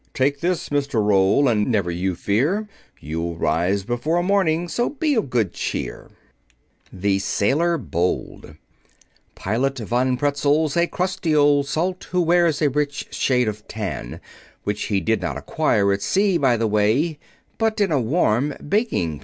"Take this, Mr. Roll, and never you fear; You'll rise before morning, so be of good cheer." [Illustration: A Rising Doctor] THE SAILOR BOLD Pilot Von Pretzel's a crusty old salt Who wears a rich shade of tan; Which he did not acquire at sea, by the way, But in a warm baking pan.